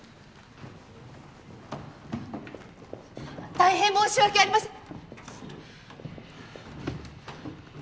大変申し訳ありません。